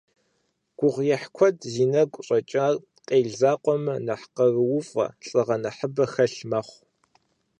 Гугъуехь куэд зи нэгу щӀэкӀар, къел закъуэмэ, нэхъ къарууфӀэ, лӀыгъэ нэхъыбэ хэлъ мэхъу.